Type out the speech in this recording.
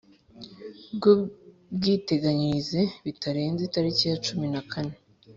bw Ubwiteganyirize bitarenze itariki ya cumi na kane